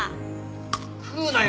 食うなよ！